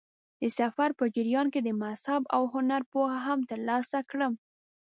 د سفر په جریان کې د مذهب او هنر پوهه هم ترلاسه کړم.